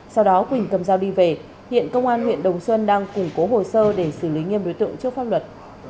sau đó quỳnh cầm dao đi về hiện công an huyện đồng xuân đang củng cố hồ sơ để xử lý nghiêm đối tượng trước pháp luật